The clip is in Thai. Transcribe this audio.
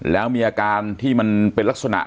แล้วมีอาการที่มันเป็นลักษณะ